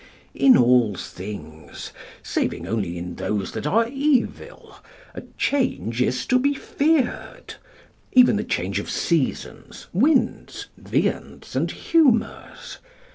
In all things, saving only in those that are evil, a change is to be feared; even the change of seasons, winds, viands, and humours.